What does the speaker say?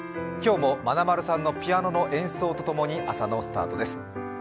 今日もまなまるさんのピアノの演奏と共に朝のスタートです。